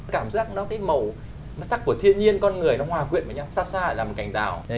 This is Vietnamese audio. cảm giác nó cái màu sắc của thiên nhiên con người nó hòa quyện với nhau xa xa làm cảnh rào